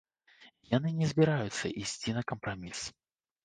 Яны не збіраюцца ісці на кампраміс.